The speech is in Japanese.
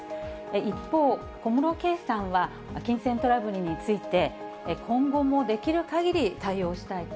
一方、小室圭さんは、金銭トラブルについて、今後もできるかぎり対応したいと。